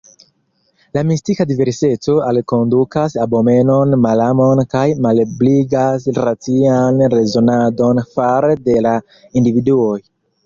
La mistika diverseco alkondukas abomenon, malamon kaj malebligas racian rezonadon fare de la individuoj.